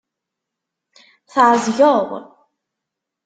Tεezgeḍ?